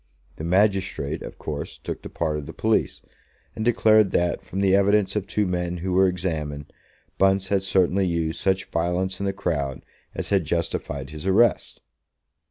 The magistrate, of course, took the part of the police, and declared that, from the evidence of two men who were examined, Bunce had certainly used such violence in the crowd as had justified his arrest.